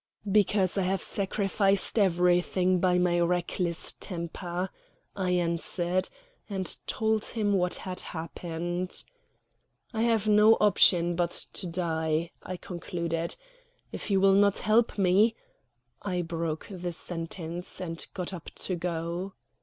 "Because I have sacrificed everything by my reckless temper," I answered, and told him what had happened. "I have no option but to die," I concluded. "If you will not help me " I broke the sentence and got up to go.